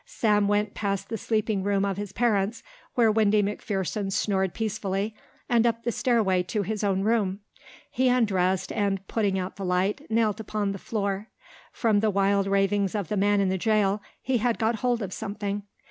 Sam went past the sleeping room of his parents, where Windy McPherson snored peacefully, and up the stairway to his own room. He undressed and, putting out the light, knelt upon the floor. From the wild ravings of the man in the jail he had got hold of something.